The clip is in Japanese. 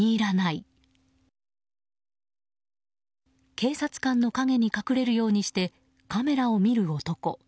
警察官の陰に隠れるようにしてカメラを見る男。